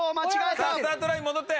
さあスタートライン戻って！